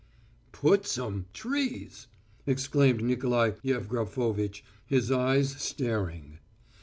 "Put some trees!" exclaimed Nikolai Yevgrafovitch, his eyes staring.